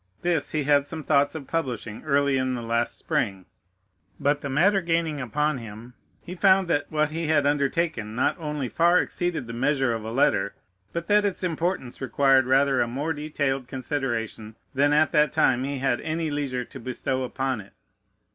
This he had some thoughts of publishing early in the last spring; but the matter gaining upon him, he found that what he had undertaken not only far exceeded the measure of a letter, but that its importance required rather a more detailed consideration than at that time he had any leisure to bestow upon it.